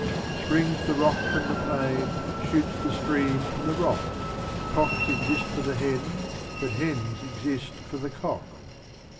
Springs the rock from the plain, shoots the stream from the rock: Cocks exist for the hen: but hens exist for the cock.